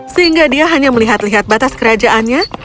sehingga dia hanya melihat lihat batas kerajaannya